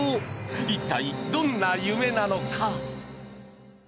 一体、どんな夢なのか。